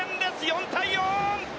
４対４！